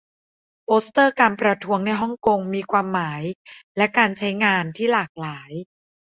โปสเตอร์การประท้วงในฮ่องกงมีความหมายและการใช้งานที่หลากหลาย